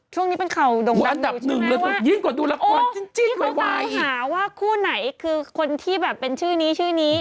ช่วงนี้เป็นเขาดงดำอยู่ใช่ไหมว่าโอ้ยที่พวกเขาตามหาว่าคู่ไหนคือคนที่แบบเป็นชื่อนี้ชื่อนี้